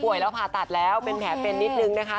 แล้วผ่าตัดแล้วเป็นแผลเป็นนิดนึงนะคะ